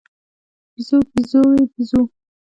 بیزو، بیزووې، بیزوو